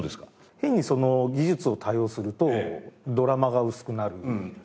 変にその技術を多用するとドラマが薄くなる。